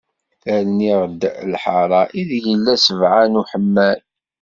Rniɣ-d lḥara, i deg yella sbeɛ n uḥeman.